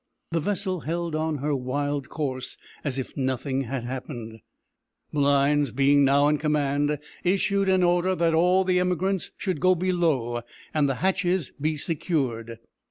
The vessel held on her wild course as if nothing had happened. Malines, being now in command, issued an order that all the emigrants should go below, and the hatches be secured.